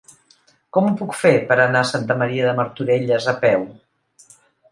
Com ho puc fer per anar a Santa Maria de Martorelles a peu?